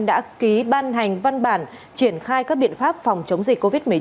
đã ký ban hành văn bản triển khai các biện pháp phòng chống dịch covid một mươi chín